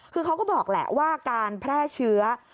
คือเขาก็บอกแหละว่าการแพร่เชื้อ